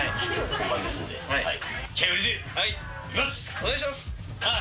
・お願いします！